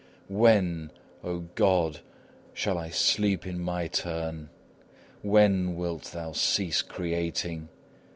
When, O God! shall I sleep in my turn? When wilt Thou cease creating?